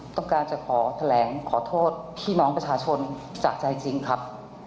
ต้องการจะขอแถลงขอโทษพี่น้องประชาชนจากใจจริงครับ